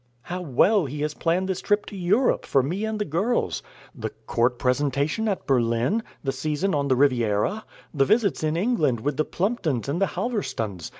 How well he has planned this trip to Europe for me and the girls the court presentation at Berlin, the season on the Riviera, the visits in England with the Plumptons and the Halverstones.